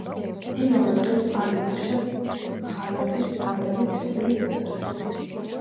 იმავე დღეს, ალი-ფაშა ღალატის ბრალდებით სიკვდილით დასაჯეს.